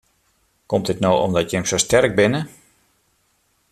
Komt it no omdat jim sa sterk binne?